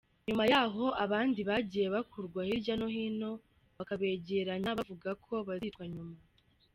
Nyuma y’aho abandi bagiye bakurwa hirya no hino, bakabegeranya bavuga ko bazicwa nyuma.